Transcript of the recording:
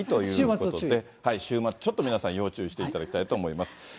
週末ちょっと皆さん要注意にしていただきたいと思います。